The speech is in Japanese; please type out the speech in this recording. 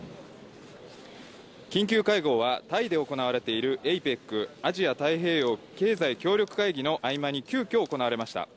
緊急会合はタイで行われている、ＡＰＥＣ・アジア太平洋経済協力会議の合間に急きょ行われました。